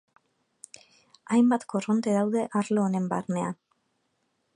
Hainbat korronte daude arlo honen barnean.